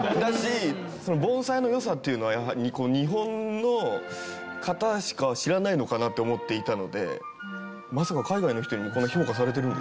盆栽の良さっていうのは日本の方しか知らないのかなって思っていたのでまさか海外の人にこんな評価されてるんですね。